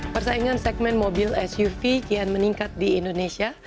persaingan segmen mobil suv kian meningkat di indonesia